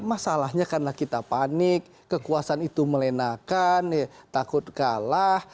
masalahnya karena kita panik kekuasaan itu melenakan takut kalah